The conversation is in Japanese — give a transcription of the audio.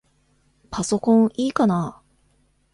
パソコンいいかな？